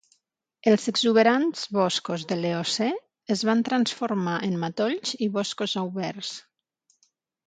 Els exuberants boscos de l'Eocè es van transformar en matolls i boscos oberts.